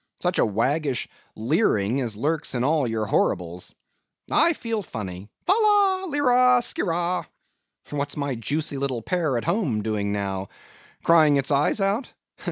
Such a waggish leering as lurks in all your horribles! I feel funny. Fa, la! lirra, skirra! What's my juicy little pear at home doing now? Crying its eyes out?